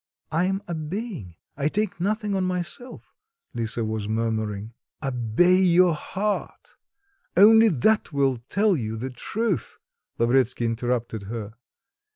"I'm obeying, I take nothing on myself," Lisa was murmuring. "Obey your heart; only that will tell you the truth," Lavretsky interrupted her.